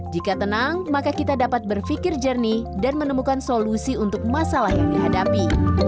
jika tenang maka kita dapat berpikir jernih dan menemukan solusi untuk masalah yang dihadapi